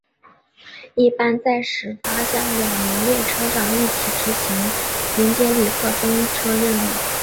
一般在始发站两名列车长一起执行迎接旅客登车任务。